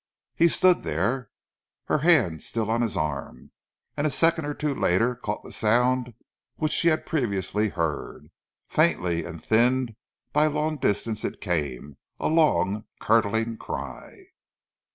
He stood there, her hand still on his arm, and a second or two later caught the sound which she had previously heard. Faintly and thinned by long distance it came, a long curdling cry.